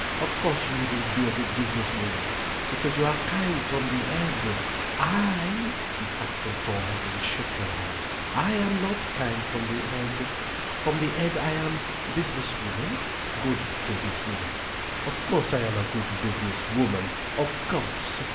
Of course you wouldn't be a good business woman. Because you are kind from the head. I—" she tapped her forehead and shook her head—"I am not kind from the head. From the head I am business woman, good business woman. Of course I am a good business woman—of course!